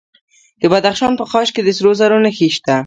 د بدخشان په خاش کې د سرو زرو نښې شته.